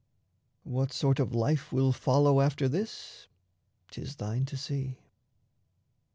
What sort of life will follow after this 'Tis thine to see.